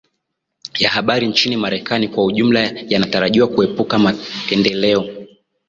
Ya habari nchini Marekani kwa ujumla yanatarajiwa kuepuka mapendeleo